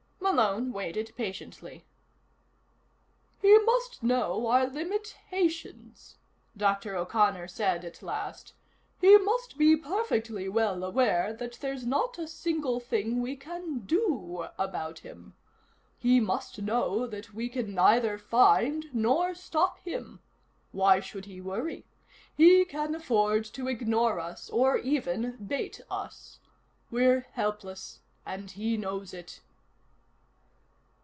Malone waited patiently. "He must know our limitations," Dr. O'Connor said at last. "He must be perfectly well aware that there's not a single thing we can do about him. He must know that we can neither find nor stop him. Why should he worry? He can afford to ignore us or even bait us. We're helpless, and he knows it."